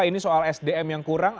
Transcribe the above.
ini soal sdm yang kurang